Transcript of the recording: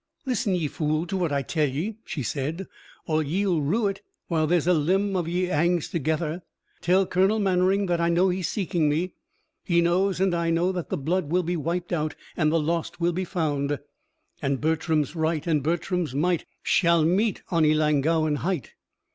"Listen, ye fool, to what I tell ye," she said, "or ye'll rue it while there's a limb o' ye hangs together. Tell Colonel Mannering that I know he's seeking me. He knows, and I know, that the blood will be wiped out, and the lost will be found And Bertram's right, and Bertram's might, Shall meet on Ellangowan height.